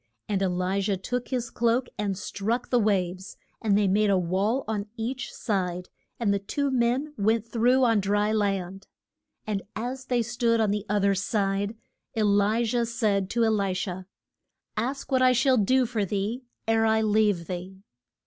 And E li jah took his cloak and struck the waves, and they made a wall on each side, and the two men went through on dry land. And as they stood on the oth er side, E li jah said to E li sha, Ask what I shall do for thee, ere I leave thee.